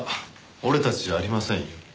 俺たちじゃありませんよ。